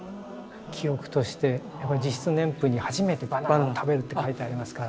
記憶として自筆年譜に「初めてバナナを食べる」って書いてありますから。